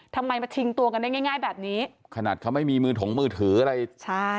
ทำไมมาชิงตัวกันได้ง่ายง่ายแบบนี้ขนาดเขาไม่มีมือถงมือถืออะไรใช่